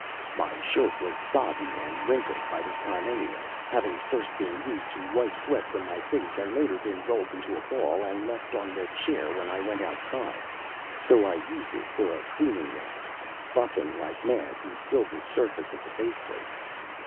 My shirt was sodden and wrinkled by this time anyway, having first been used to wipe sweat from my face and later been rolled into a ball and left on the chair when I went outside, so I used it for a cleaning rag, buffing like mad the silvered surface of the faceplate.